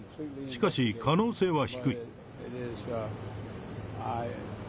しかし、可能性は低い。